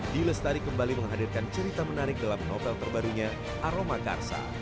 d lestari kembali menghadirkan cerita menarik dalam novel terbarunya aroma karsa